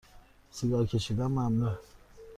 سیگار کشیدن ممنوع